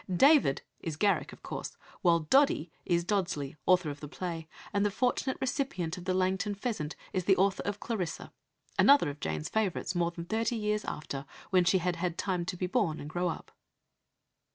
"David" is Garrick, of course, while "Doddy" is Dodsley, author of the play, and the fortunate recipient of the Langton pheasant is the author of Clarissa, another of Jane's favourites more than thirty years after, when she had had time to be born and grow up.